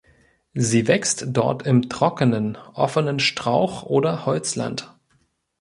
Sie wächst dort im trockenen, offenen Strauch- oder Holzland.